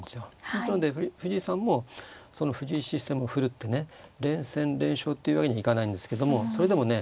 ですので藤井さんもその藤井システムをふるってね連戦連勝というわけにはいかないんですけどもそれでもね